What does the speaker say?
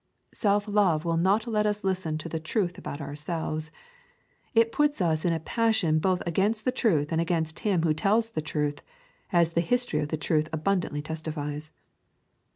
Self love will not let us listen to the truth about ourselves; it puts us in a passion both against the truth and against him who tells the truth, as the history of the truth abundantly testifies.